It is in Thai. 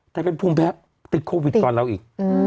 แต่พูดแพ้ติดโควิดก่อนแล้วอีก